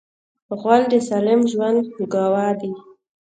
غول د سالم ژوند ګواه دی.